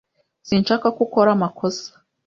Sinshaka ko ukora amakosa.